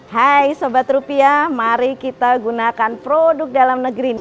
hai sobat rupiah mari kita gunakan produk dalam negeri